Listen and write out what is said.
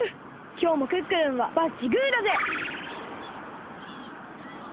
きょうもクックルンはバッチグーだぜ！